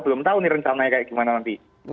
belum tahu ini rencana kayak gimana nanti